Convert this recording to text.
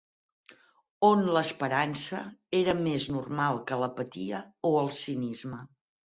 On l'esperança era més normal que l'apatia o el cinisme